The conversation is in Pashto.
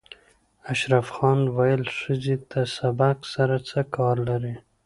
اشرف خان ویل ښځې له سبق سره څه کار لري